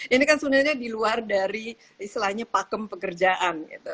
ini kan sebenarnya di luar dari istilahnya pakem pekerjaan gitu